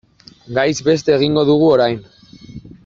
Gaiz beste egingo dugu orain.